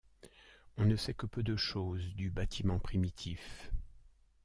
On ne sait que peu de choses du bâtiment primitif.